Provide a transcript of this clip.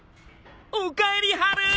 おかえりハル！